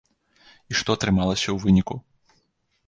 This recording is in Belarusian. І што атрымалася ў выніку?